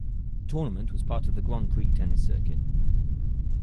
The tournament was part of the Grand Prix tennis circuit.